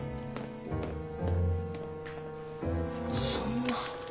そんな。